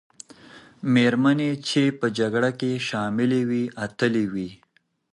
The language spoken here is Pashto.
مېرمنې چې په جګړه کې شاملي وې، اتلې وې.